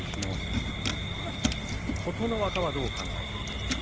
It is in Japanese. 琴ノ若は、どう考えていくのか。